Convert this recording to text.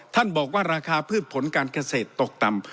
ท่านบอกว่าราคาพืชผลการเกษตรตกต่ำ